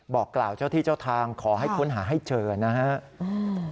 บอกกล่าวเจ้าที่เจ้าทางขอให้ค้นหาให้เจอนะครับ